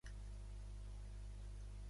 El diari s'edita a Aarau i Baden, Aargau.